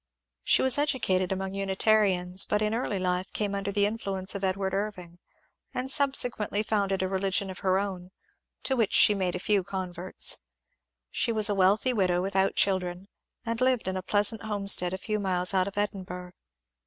She was educated among Unitarians but in early life came imder the influence of Edward Irving, and subsequently founded a religion of her own, to which she made a few converts. She was a wealthy widow without children, and lived in a pleasant homestead a few miles out of Edinburgh.